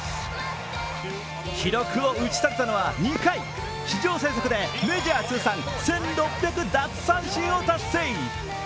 記録を打ち立てたのは２回史上最速でメジャー通算１６００奪三振を達成。